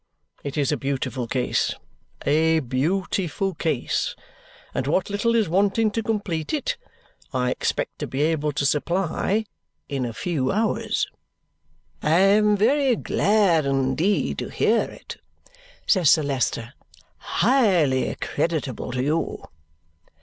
It is a beautiful case a beautiful case and what little is wanting to complete it, I expect to be able to supply in a few hours." "I am very glad indeed to hear it," says Sir Leicester. "Highly creditable to you."